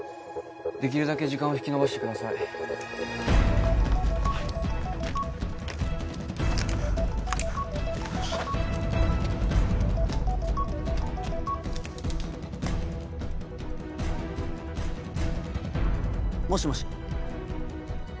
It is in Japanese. できるだけ時間を引き延ばしてください。もしもし？